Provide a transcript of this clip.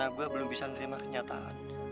karena gue belum bisa nerima kenyataan